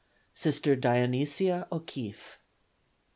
Sister Dionysia O'Keefe.